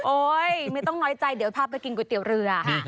ไม่ต้องน้อยใจเดี๋ยวพาไปกินก๋วยเตี๋ยวเรือ